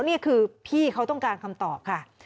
นี่คือพี่เขาต้องการคำตอบค่ะ